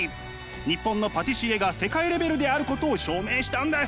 日本のパティシエが世界レベルであることを証明したんです。